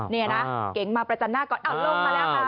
นี่นะเก๋งมาประจันหน้าก่อนลงมาแล้วค่ะ